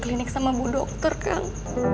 klinik sama bu dokter kang